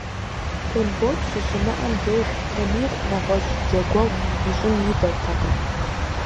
Тембот щыщымыӀэм деж, Тамир нэгъуэщӀ джэгуэгъу ищӀын идэртэкъым.